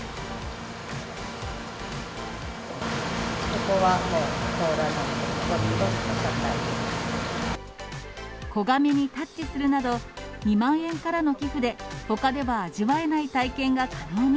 ここはもう甲羅なので、子亀にタッチするなど、２万円からの寄付で、ほかでは味わえない体験が可能に。